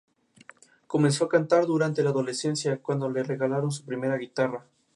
Isabel se encuentra entre dos columnas portando la insignia heráldica Tudor de un rastrillo.